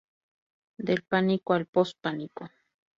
Del Pánico al Post-Pánico".